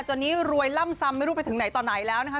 ตอนนี้รวยล่ำซำไม่รู้ไปถึงไหนต่อไหนแล้วนะคะ